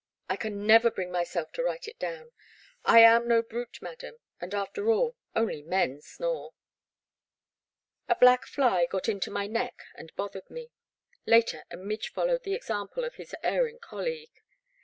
I can never bring myself to The Black Water. 183 write it down. I am no brute, Madam — and, after all, only men snore. A black fly got into my neck and bothered me; later a midge followed the example of his erring colleague.